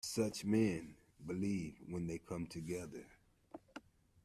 Such men believe, when they come together.